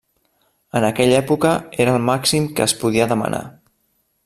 En aquella època, era el màxim que es podia demanar.